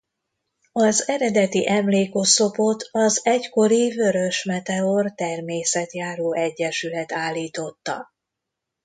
Az eredeti emlékoszlopot az egykori Vörös Meteor Természetjáró Egyesület állította.